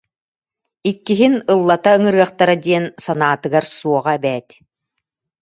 Иккиһин ыллата ыҥырыахтара диэн санаатыгар суоҕа эбээт